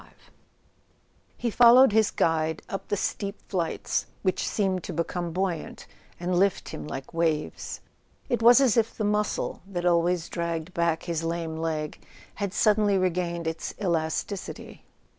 XXV H E followed his guide up the steep flights, which seemed to become buoyant and lift him like waves. It was as if the muscle that always dragged back his lame leg had suddenly regained its elasticity.